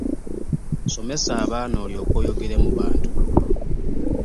Somesa abaana olyoke oyogere mu bantu.